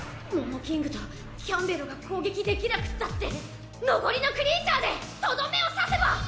モモキングとキャンベロが攻撃できなくったって残りのクリーチャーでとどめを刺せば！